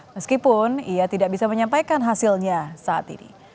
meskipun ia tidak bisa menyampaikan hasilnya saat ini